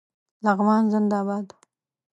لغمان زنده باد